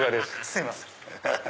すいません。